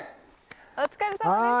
お疲れさまでした。